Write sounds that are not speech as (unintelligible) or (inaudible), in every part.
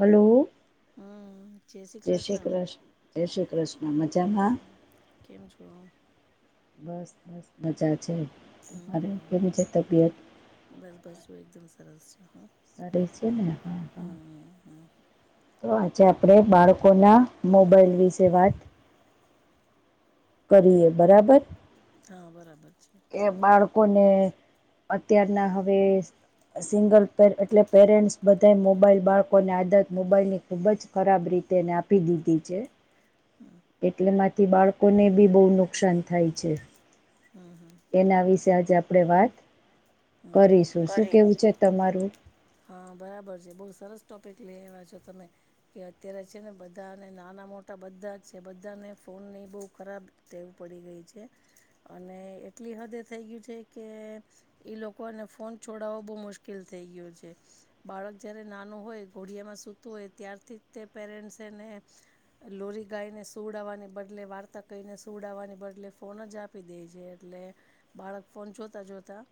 Hello જય શ્રી કૃષ્ણ જય શ્રી કૃષ્ણ મજામાં કેમ છો બસ બસ મજા છે તમારે હમ કેવી છે તબિયત બસ બસ જો એકદમ સરસ છે હ સ છે ને હા હા હમ હમ તો આજે આપણેે બાળકોના મોબાઈલ વિશે વાત કરીએ બરાબર હા બરાબર છે લોકોને અત્યારના હવે સિંગલ પેર એટલે પેરેન્ટ્સ બધા મોબાઈલ બાળકોની આદત મોબાઈલ ની ખુબ જ ખરાબ રી તેને આપી દીધી છે હમ એટલેમાંથી બાળકોને બી બહુ નુકસાન થાય છે હા હા એના વિશે આજે આપણેે વાત હમ કરીશું શું કરી કેવું છે તમારું હા બરાબર છે બઉ સરસ ટોપિક લઈ આવવા છો તમે કે અત્યારે છે ને બધાને નાનો મોટા બધા છે બધાને ફોન ની બહુ ખરાબ ટેવ પડી ગઈ છે. અને એટલી હદે થઈ ગયું છે કે ઈ લોકોને ફોન છોડાવો બહુ મુશ્કેલ થઈ ગયો છે. બાળક જયારે નાનું હોય ઘોડિયામાં સૂતું હોય ત્યારથી તે પેરેન્ટસ એને લોરી ગાઈને સુડાવવાની બદલે વાર્તા કહીને સુડાવવાની બદલે ફોન જ આપી દે છે એટલે બાળક ફોન જોતાં જોતાં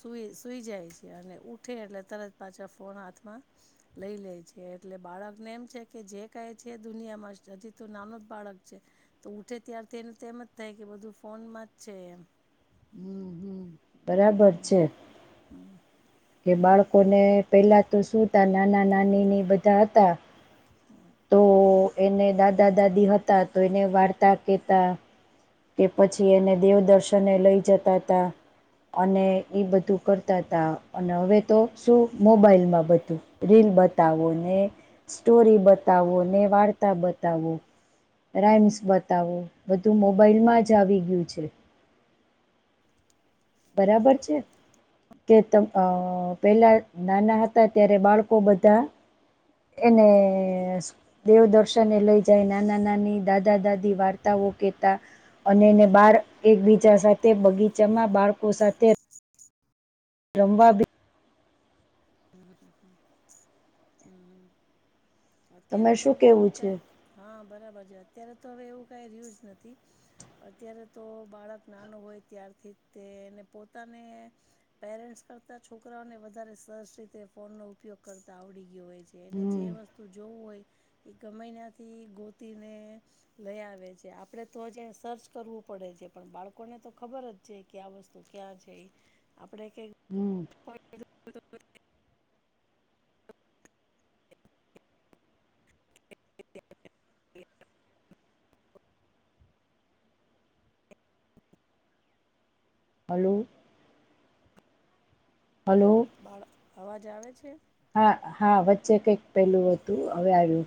સુઈ સુૂઈ જાય છે અને ઉઠે એટલે તરત પાછા ફોન હાથમાં લઈ લે છે એટલે બાળકને એમ છે કે જે કઈ છે દુનિયામાં હજી તો નાનો જ બાળક છે તો ઉઠે ત્યારથી એનું તો એમ જ થાય કે બધું ફોનમાં જ છે એમ હમ હમ. બરાબર હમ છે. કે બાળકોને પેલા તો શું તા નાના નાનીની બધા હતા. તો એને દાદા દાદી હતા તો એને વાર્તા કેતા. કે પછી એને દેવદર્શને લઈ જતા હતા. અને ઈ બધું કરતા તા અને હવે તો શું મોબાઈલમાં બધું રીલ બતાવો ને સ્ટોરી બતાવો ને વાર્તા બતાવો રાઇમ્સ બતાવો બધું મોબાઈલમાં જ આવી ગયું છે. બરાબર છે. કે પેલા નાના હતા ત્યારે બાળકો બધા એને દેવ દર્શને લઈ જાય નાના નાની દાદા દાદી વાર્તાઓ કેતા અનેને બાર એક બીજા સાથે બગીચામાં બાળકો સાથે રમવા ભી હમ હમ હમ હમ અત્યારે તમારે તો શું હવે એવું કેવું છે કાય હા બરાબર અત્યારે તો હવે એવું કઈ રહ્યું જ નથી અત્યારે તો બાળક નાનું હોય ત્યારથી તેને પોતાને પેરેન્ટ્ કરતા છોકરાઓને વધારે સરસ રીતે ફોન નો ઉપયોગ કરતા આવડી ગયો હોય છે એને હમ જે વસ્તુ જોવું હોય એ ગમેનાથી ગોતીને લઈ આવે છે આપડે તો જે સર્ચ કરવું પડે છે પણ બાળકોને તો ખબર જ છે કે આ વસ્તુ ક્યાં છે આપડે હમ (unintelligible) (inaudible) હાલું હલો બાળ અવાજ આવે છે હા હા વચ્ચે કંઈક પહેલું હતું હવે આવ્યું.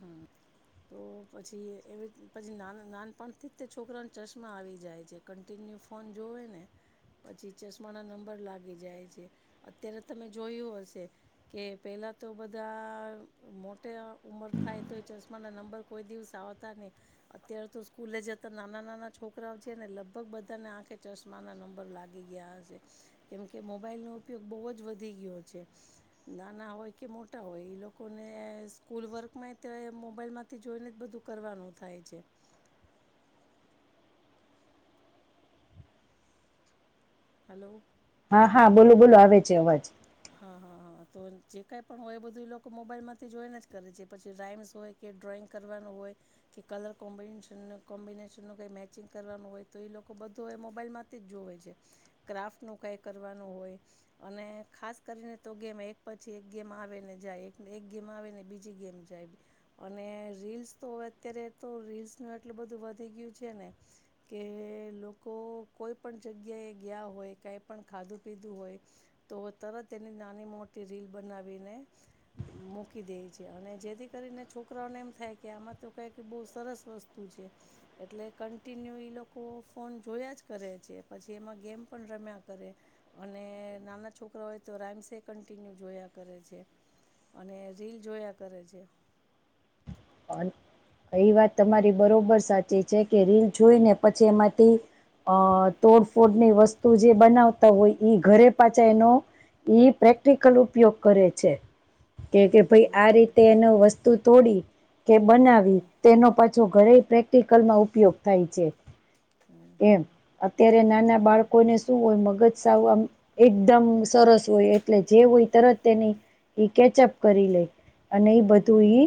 હમ તો પછી એ પછી નાનપણથી તે છોકરા ચશ્મા આવી જાય છે. કનટી ન્યુ ફોન જોવે ને. પછી ચશ્મા ના નંબર લાગી જાય છે. અત્યારે તમે જોયું હશે કે પેલા પહેલા તો બધા મોટે ઉમર થાય તો એ ચશ્મા ના નંબર કોઈ દિવસ આવતા નહી અત્યારે તો સ્કૂલે જ હતા નાના નાના છો કરાઓ છે ને લગભગ બધાને આંખે ચશ્મા ના નંબર લાગી ગયા હશે કેમકે મોબાઈલનૉ ઉપયોગ બહુ જ વધી ગયો છે. નાના હોય કે મોટા હોય એ લોકોને સ્કૂલ વર્કમાં મોબાઈલ માંથી જોઈને જ બધું કરવાનું થાય છે. હેલો. હા હા બોલું બોલું આવે છે અવાજ. હા હા હા તો જે કઈ પણ હોય એ બધું એ લોકો મોબાઈલ માંથી જોઈને જ કરે છે પછી રાાઈમ્સ હોય કે ડ્રોઈંગ કરવાનું હોય કે, કલર કોમ્ કોમ્બિનેશનનું કઈ મેચિંગ કરવાનું હોય તો એ લોકો મોબાઈલ માંથી જ જોવે છે. ક્રાફ્ટ નું કઈ કરવાનું હોય અને ખાસ કરીને તો ગેમ એક પછી એક ગેમ આવેને જાય એક ગેમ આવેને બીજી ગેમ જાય. અને રીલ્સ તો અત્યારે તો રીલ્સ નું એટલું બધું વધી ગયું છે ને કે કે લોકો કોઈ પણ જગ્યા એ ગયા હોય કઈ પણ ખાધું પીધું હોય. તો તરત તેની નાની મોટી રીલ બનાવીને મૂકી દે છે. અને જેથી કરીને છોકરા એમ થાય કે આમાં તો કઈ બવ સરસ વસ્તુ છે. એટલે કનટીન્યુ એલોકો ફોન જોયા જ કરે છે. પછી એમાં ગેમ પણ રમ્યા કરે. અને નાના છોકરા હોય તો રાઇમ્સે કન્ટિન્યુ જોયા કરે છે. અને રીલ જોયા કરે છે. આન એ વાત તમારી બરોબર સાચી છે કે રીલ જોઈને પછી એમાંથી અહ તોડફોડની વસ્તુ જે બનાવતા હોય ઈ ઘરે પાછા એનો ઈ પ્રેક્ટિકલ ઉપયોગ કરે છે. કે કે ભાઈ આ હમ રીતે એનો વસ્તુ તોડી કે બનાવી હમ તેનો પાછો ઘરે પ્રેક્ટિકલમાં ઉપયોગ થાય છે. હમ એમ, અત્યારે નાના હમ બાળકોને શું હોય મગજ સાવ એકદમ સરસ હોય એટલે જે હોય તરત તેની એ કેચઅપ કરી લે. અને એ બધું હમ ઈ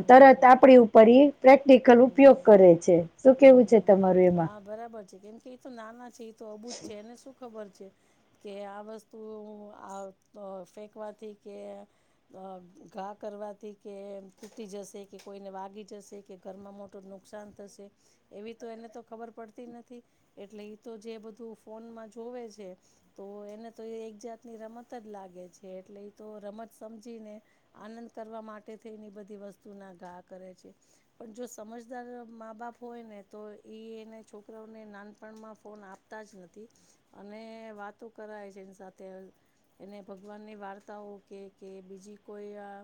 હમ તરત હમ આપડી ઉપર ઈ પ્રેક્ટિકલ ઉપયોગ હમ હમ કરે છે. શું કેવું છે હમ તમારું? એ હા, બરાબર છે કેમ કે એ તો નાના છે. એ તો અબૂ જ છે. એને શું ખબર છે, કે આ વસ્તુઓ આ અહ ફેકવાથી કે આહ ઘા કરવાથી કે તૂટી જશે કે કોઈને વાગી જશે કે ઘરમાં મોટું નુકસાન શાન થશે એવી તો એને તો ખબર પડતી નથી એટલે ઈ તો જે બધું ફોનમાં જોવે છે તો એને તો એ એક જાત ની રમત જ લાગે છે. એટલે એ તો રમત સમજીને આનંદ કરવા માટે થઈ ને એ બધી વસ્તુ ના ઘા કરે છે. પણ જો સમજદાર મા બાપ હોય ને તો (inaudible) ને છોકરાઓને નાનપણમાં ફોન આપતા જ નથી. અને વાતો કરાય છે એની સાથે અલ એને ભગવાનની વાર્તાઓ કે કે બીજી કોઈ અહ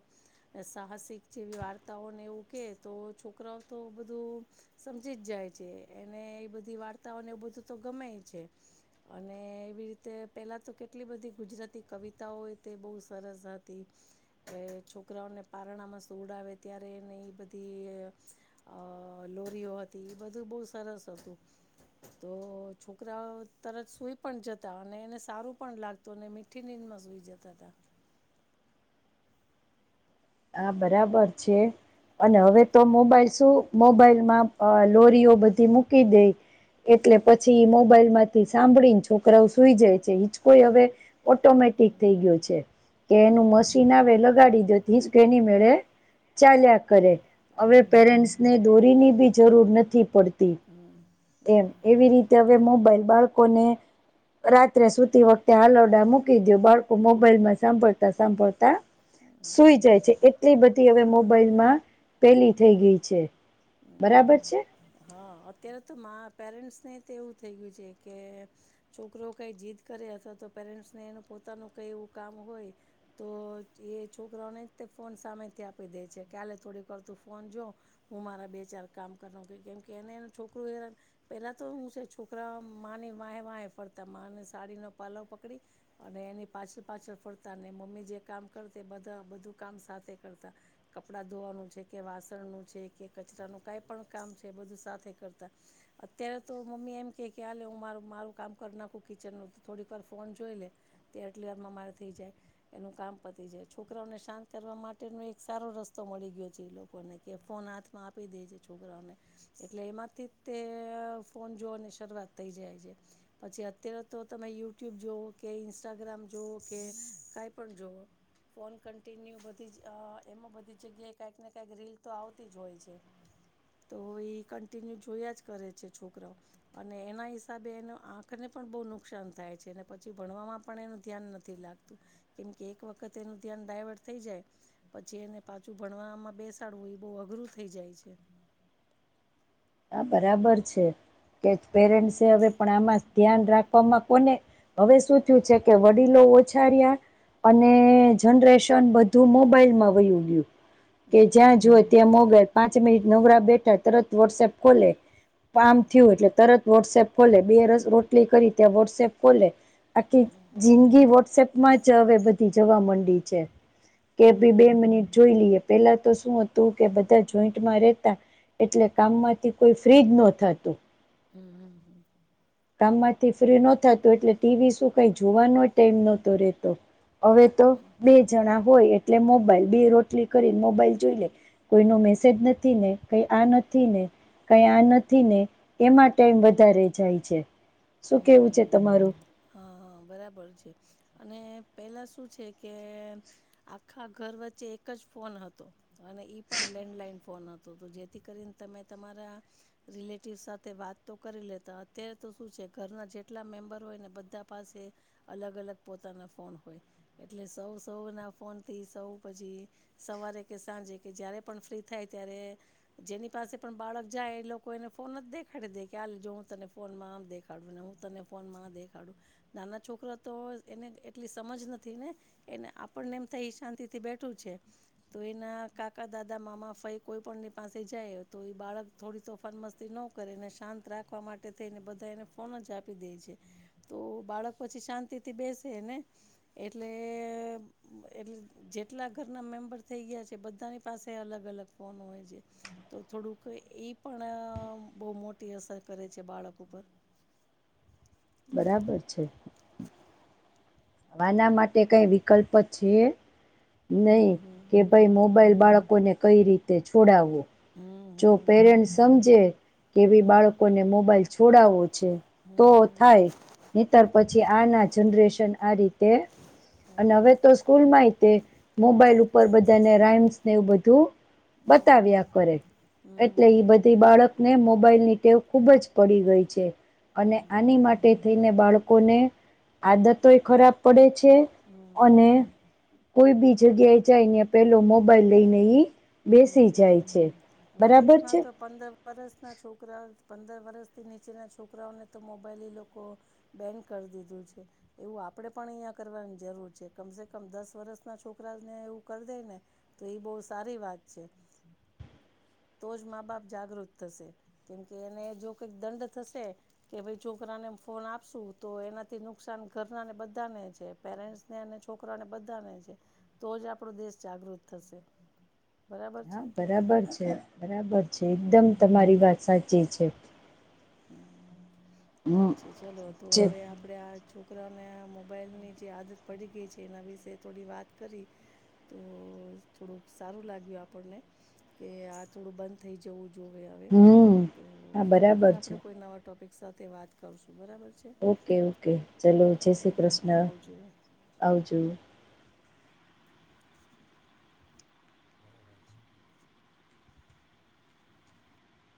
સાહસિક જેવી વાર તાઓને એવું કે તો છોકરાઓ તો બધું સમજી જ જાય છે. એને એ બધી વાર્તાઓને એવ બધું તો ગમેઈ છે. અને એવી રીતે પેલા આ તો કેટલી બધી ગુજરાતી કવિતાઓ તે બહુ સરસ હતી. એ છોકરા ઓને પારણામાં સુવડાવે ત્યારે એને ઈ બધી અહ લોરીઓ હતી બધું બવ સરસ હતું. તો છોકરાઓ તરત સુઈ પણ જતા. અને એને સારું પણ લાગતું. અને મીઠી નીંદમાં સુઈ જતાતા. (inaudible) હા બરાબર છે. અને હવે તો મોબાઈલ શું મોબાઈલમાં અહ લોરીઓ બધી મૂકી દે એટલે પછી મોબાઈલ માંથી સાંભળીને છોકરાઓ સુઈ જાય છે હિચકોઈ હવે ઓટોમે ટેટિક હમ થઈ ગયું છે. તે એનું મશીન આવે લગાડી દો હીસકો એની મેળે ચાલ્યા કરે. હમ હવે હમ પેરેન્ટ્સ ને દોરીની બી જરૂર નથી પડતી. હમ એમ હમ એવી રીતે હવે મોબાઈલ બાળકોને રાત્રે સુતી વખતે હાલરડા મૂકી દયો. બાળકો મોબાઈલમાં સાંભળતા સાંભળતા સુઈ હમ જાય છે. એટલી બધી હવે મોબાઈલમાં પેલી થઈ ગઈ છે. હમ હમ બરાબર છે? હા. અત્યારે તો મા પેરેન્ટ્સ ને તેવું થઈ ગયું છે કે છોકરો કઈ જીદ કરે અથવા તો પેરેન્ટ્સને એનું પોતાનું કઈ એવું કામ હોય તો એ છોકરાઓ ને તે ફોન સામેથી આપી દે છે કે આ લે કે થોડીક વાર તું ફોન જો હું મારા બે ચાર કામ કર લઉં કેમ કે એને છોકરું હેરાન પેલા તો હું છે છોકરા માની વાહે વાહે ફરતા મા ને સાડી નો પાલવ પકડી અને એની પાછળ પાછળ ફરતા ને મમ્મી જે કામ કર તે બધા બધું કામ સાથે કરતા. કપડા ધોવાનું છે, કે વાસણનું છ છે કે કચરાનું કાંઈ પણ કામ છે બધું સાથે કરતા. અત્યારે તો મમ્મી એમ કે કે આલે હું મારું મારું કામ કર નાખું કિચનનું થોડીક વાર ફોન જોઈ લે તે આટલી વારમાં મારે થઈ જાય. એનું કામ પતિ જાય છોકરાઓને શાંત કરવા માટેનો એક સારો રસ્તો મળી ગયો છે એ લોકોને કે ફોન હાથમાં આપી દે છે છોકરાઓને એટલે એમાંથી તે ફોન જોવની શરૂઆત થઈ જાય છે. પછી અત્યારે તો તમે યુટ્યુબ જોવો કે ઇન્સ્ટાગ્રામ જોવો કે કઈ પણ જોવો ફોન કન્ટિન્યુ બધી જ અ એમાં બધી જગ્યાએ કાંઈક ને કાંઈક રીલ તો આવતી જ હોય છે. તો એ કન્ટિન્યુ જોયા જ કરે છે છોકરાઓ અન અને એના હિસાબે એ આંખને પણ બહુ નુકસાન થાય છે, અનેને પછી ભણવામાં પણ એનું ધ્યાન નથી લાગતું. કેમકે એક વખત એનું ધ્યાન ડાયવર્ટ થઈ જાય પછી એને પાછું ભણમાં બેસાડું બહું અઘરું થઈ જાય છે. હા બરાબર છે. કે પેરેન્ટસે હવે પણ આમાં ધ્યાન રાખવામાં કોને હવે શું થયું છે, કે વડીલો ઓછા રયા. અને જનરેશન બધું મોબાઈલમાં વય ઉ ગયું હમ કેજ્યા જોવે ત્યાં મોબાઈલ પાંચ મિનિટ નવરા બેઠા તરત વોટ્સઅપ ખોલે પામ હમ થયું એટલે તરત વોટ્સએપ ખોલે બે રસ રોટલી કરી ત્યાં વોટ્સએપ ખોલે આખી હમ જિંદગી વોટ્સએપમાં જ હવે બધી જવા માંડી છે. કે હમ હમ હમ હમ ભી બે મિનિટ જોઈ લઈએ. પેલા તો શું હતું કે બધા જોઈન્ટમાં રેતા એટલે કામમાં કે કોઈ ફ્ર્રી જ નો થાતું. હમ હમ હમ કામમાંથી ફ્રી નો થાતું એટલે ટીવી શું કઈ, જોવાનો ટાઈમ નતો રેતો. હવે તો બે જણા હોય એટલે મોબાઈલ બે રોટલી કરીને મોબાઈલ જોઈ લે. કોઈનો મેસેજ નથી ને કઈ આ નથી ને કઈ આ નથી ને એમાં ટાઈમ વધારે જાય છે, શું કેવું છે હમ તમારુ હા બરાબર છે અને પેલા શું છે, કે આખા ઘર વચ્ચે એક જ ફોન હતો. ને ઇ પણ લેન્ડલાઇન ફોન હતો જેથી કરીને તમે તમારા રિલેટિવ સાથે વાત તો કરી લેતા અત્યારે તો શું છે? ઘરના જેટલા મેમ્બર હોય ને બધા પાસે અલગ અલગ પોતાના ફોન હોય એટલે સૌ તો સૌના ફોનથી સૌ પછી સવારે કે સાંજે કે જ્યારે પણ ફ્રી થાય ત્યારે જેની પાસે પણ બાળક જાય એ લોકો એને ફોન જ દેખાડી દે કે હાલ જો હું તને ફોનમાં આમ દેખા. હું તને ફોનમાં આ દેખાડુ નાના છોકરા તો એને એટલી સમજ નથી ને એને આપણને એમ થાય શાંતિ થી બેઠું છે તો એના કાકા દાદા મામા ફઈ કોઈ પણ પાસે જાય તો એ બાળક થોડી તોફાન મસ્તી ન કરે ને શાંત રાખવા માટે થઈને બધા એને ફોન જ આપી દે છે તો બાળક પછી શાંતિ થી બેસે ને એટલે એટલે જેટલા ઘરના મેમ્બર થઈ ગયા છે, બધાની પાસે અલગ અલગ ફોન હોય છે, તો થોડુંક એઈ પણ બહુ મોટી અસર કરે છે, બાળક ઉપર બરાબર છે, બાના માટે કઈ વિકલ્પ છે નહી હમ હમ કે ભાઈ હમ મોબાઈલ બાળકોને કઈ રીતે છોડાવવો જો હમ પેરેન્ટ સમજે કેવી હમ બાળકોને મોબાઈલ છોડાવો હમ હમ તો હમ થાય નહીં તર પછી આના જનરેશન એ અને હમ હવે તો સ્કૂલમાં તે મોબાઈલ ઉપર બધાને રાઈમ્સને એવું બધું હમ બતાવ્યા હમ કરે હમ એટલે એ હમ બધી બાળક ને મોબાઈલ ની ટેવ ખૂબ જ પડી ગઈ છે, અને આની આદત માટે થઈને બાળકો ને આદતોય ખરાબ પડે છે, અને બેસાય કોઈ બી જગ્યાએ જઈને પેલો મોબાઈલ લઈને એ બેસી જાય છે બરાબર છે વરસના છોકરા પંદર વરષથી નીચેના છોકરાઓને તો મોબાઈલ લોકો બેન કરી દીધું છે, એવું આપણે પણ અહીંયા કરવાની જરૂર છે, કમસે કમ દસ વર્ષના છોકરાને એવું કરી દે ને તો એ બહુ સારી વાત છે, (inaudible) તો જ મા બાપ જાગૃત થશે કેમકે એને જો કઈક દંડ થશે કે ભાઈ છોકરાને ફોન આપશું તો એનાથી નુકસાન ઘરના ને બધાને છે પેરેન્ટ્સ ને અને છોકરા ને બધાને તો જ આપણો દેશ જાગૃત થશે. (inaudible) બરાબર હા છે બરાબર છે બરાબર છે એકદમ હમ તમારી વાત સાચી છે. હમમ હમ ઠીક છે ચલો તો છે હવે આપડે આ છોકરાઓને આ મોબાઈલની જે આદત પડી ગઈ છે એના વિશેે થોડી વાત કરી તો થોડુંક સારું લાગ્યું આપણને કે આ થોડું બંધ થઈ જવું જોવે હવે હમ તો હા ફરી વખત બરાબર છે આપણે કોઈ નવા ટોપિક સાથે વાત કરશું બરાબર છે ઓકે ઓકે ચલો એ જય શ્રી હા કૃષ્ણ આવજો આવજો. બરાબર છે.